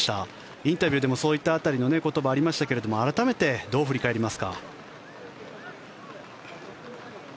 インタビューでもそういった言葉もありましたが改めてどう振り返りますか？